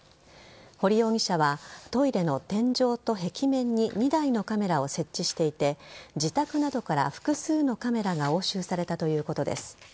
堀容疑者はトイレの天井と壁面に２台のカメラを設置していて自宅などから複数のカメラが押収されたということです。